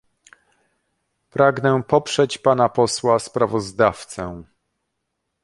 Pragnę poprzeć pana posła sprawozdawcę